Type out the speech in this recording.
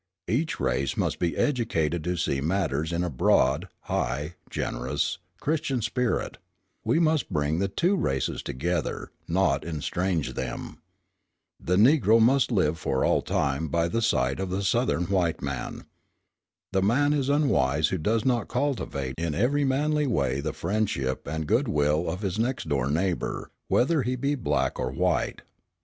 Each race must be educated to see matters in a broad, high, generous, Christian spirit: we must bring the two races together, not estrange them. The Negro must live for all time by the side of the Southern white man. The man is unwise who does not cultivate in every manly way the friendship and good will of his next door neighbour, whether he be black or white.